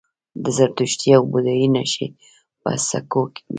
د زردشتي او بودايي نښې په سکو وې